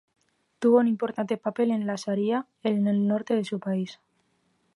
Tuvo un importante papel en la sharia en el norte de su país.